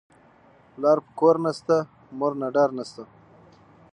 ـ پلار په کور نشته، مور نه ډار نشته.